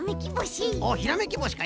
おっひらめきぼしか。